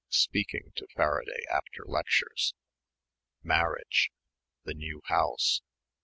speaking to Faraday after lectures. Marriage ... the new house